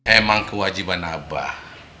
emang kewajiban abah